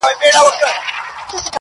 دریم پوښتنه د سرکار او د جهاد کوله!!